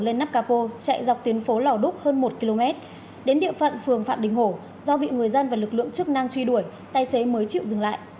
tài xế nắp cà pô chạy dọc tuyến phố lò đúc hơn một km đến địa phận phường phạm đình hổ do bị người dân và lực lượng chức năng truy đuổi tài xế mới chịu dừng lại